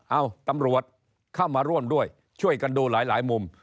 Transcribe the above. เอ้าตำรวจเข้ามาร่วมด้วยช่วยกันดูหลายมุม